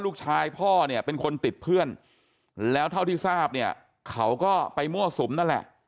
พ่อเนี่ยเป็นคนติดเพื่อนแล้วเท่าที่ทราบเนี่ยเขาก็ไปมั่วสุมนั่นแหละ